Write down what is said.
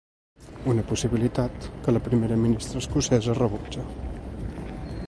Una possibilitat que la primera ministra escocesa rebutja.